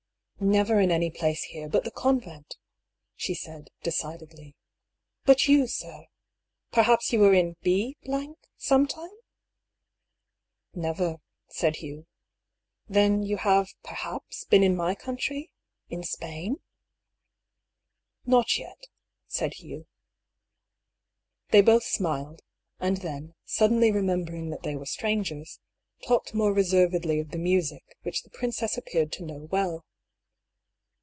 " Never in any place here but the convent," she said, decidedly. " But you, sir. Perhaps you were in B sometime ?" "Never," said Hugh. " Then you have, perhaps, been in my country — in Spain ?"" Not yet," said Hugh. They both smiled ; and then, suddenly remembering that they were strangers, talked more reservedly of the music, which the princess appeared to know well.